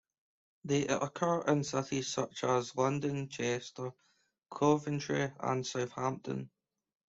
They occur in cities such as London, Chester, Coventry and Southampton.